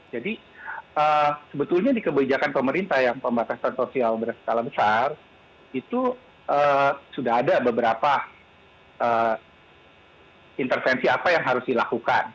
jadi sebetulnya di kebijakan pemerintah yang pembatasan sosial berskala besar itu sudah ada beberapa intersensi apa yang harus dilakukan